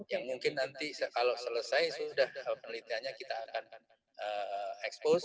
yang mungkin nanti kalau selesai sudah penelitiannya kita akan ekspos